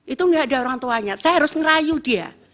itu enggak ada orangtuanya saya harus ngerayu dia